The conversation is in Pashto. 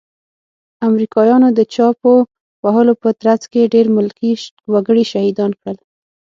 امريکايانو د چاپو وهلو په ترڅ کې ډير ملکي وګړي شهيدان کړل.